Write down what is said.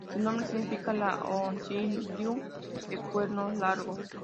Su nombre significa "la "Oncidium" de cuernos largos".